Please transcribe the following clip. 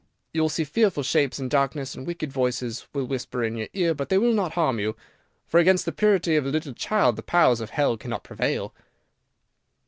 You will see fearful shapes in darkness, and wicked voices will whisper in your ear, but they will not harm you, for against the purity of a little child the powers of Hell cannot prevail."